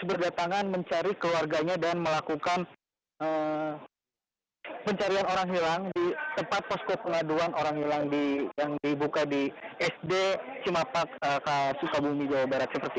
berdatangan mencari keluarganya dan melakukan pencarian orang hilang di tempat posko pengaduan orang hilang yang dibuka di sd cimapak sukabumi jawa barat